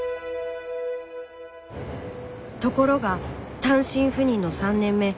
ところが単身赴任の３年目。